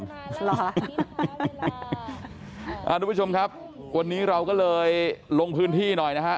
คุณผู้ชมครับวันนี้เราก็เลยลงพื้นที่หน่อยนะฮะ